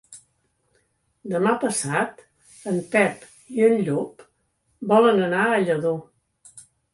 Demà passat en Pep i en Llop volen anar a Lladó.